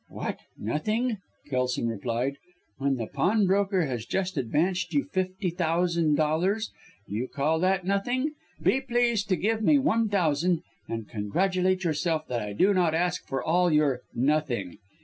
"What, nothing!" Kelson replied, "When the pawnbroker has just advanced you fifty thousand dollars. You call that nothing? Be pleased to give me one thousand, and congratulate yourself that I do not ask for all your 'nothing.'"